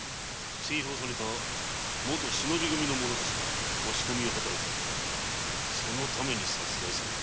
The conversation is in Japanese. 元忍び組の者たちが押し込みを働きそのために殺害された？